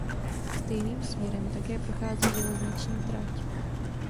Stejným směrem také prochází železniční trať.